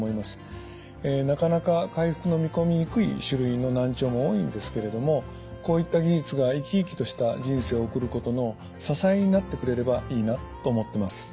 なかなか回復の見込みにくい種類の難聴も多いんですけれどもこういった技術が生き生きとした人生を送ることの支えになってくれればいいなと思ってます。